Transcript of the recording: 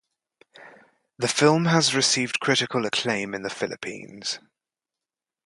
The film has received critical acclaim in the Philippines.